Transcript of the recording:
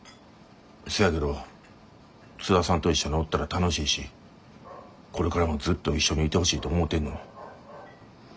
せやけど津田さんと一緒におったら楽しいしこれからもずっと一緒にいてほしいと思うてんのに。